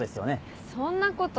いやそんなこと。